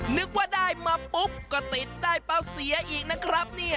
นึกว่าได้มาปุ๊บก็ติดได้เปล่าเสียอีกนะครับเนี่ย